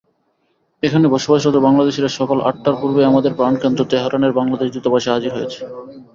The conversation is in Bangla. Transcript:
এখানে বসবাসরত বাংলাদেশিরা সকাল আটটার পূর্বেই আমাদের প্রাণকেন্দ্র তেহরানের বাংলাদেশ দূতাবাসে হাজির হয়েছি।